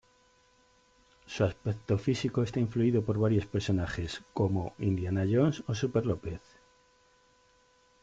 Su aspecto físico está influido por varios personajes como Indiana Jones o Superlópez.